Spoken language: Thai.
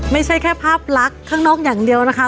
ไม่ใช่แค่ภาพลักษณ์ข้างนอกอย่างเดียวนะคะ